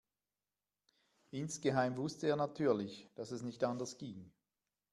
Insgeheim wusste er natürlich, dass es nicht anders ging.